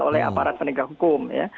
oleh aparat penegak hukum